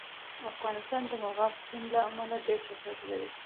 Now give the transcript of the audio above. افغانستان د مورغاب سیند له امله ډېر شهرت لري.